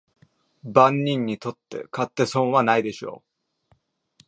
万人にとって買って損はないでしょう